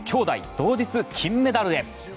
同日金メダルへ。